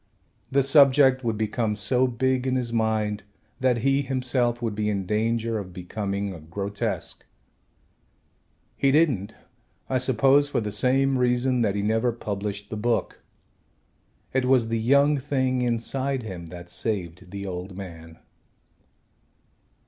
The subject would become so big in his mind that he himself would be in danger of becoming a grotesque. He didn't, I suppose, for the same reason that he never published the book. It was the young thing inside him that saved the old man.